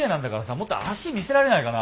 もっと脚見せられないかな。